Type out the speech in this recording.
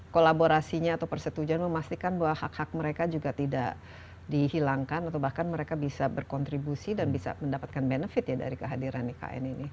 kolaborasinya atau persetujuan memastikan bahwa hak hak mereka juga tidak dihilangkan atau bahkan mereka bisa berkontribusi dan bisa mendapatkan benefit ya dari kehadiran ikn ini